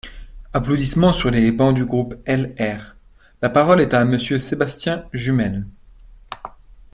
(Applaudissements sur les bancs du groupe LR.) La parole est à Monsieur Sébastien Jumel.